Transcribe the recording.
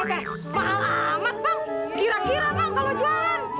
oke mahal amat bang kira kira bang kalau jualan